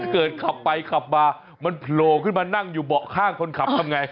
ขับไปขับมามันโผล่ขึ้นมานั่งอยู่เบาะข้างคนขับทำไง